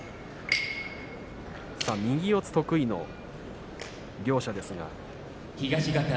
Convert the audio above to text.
右四つ得意の両者です。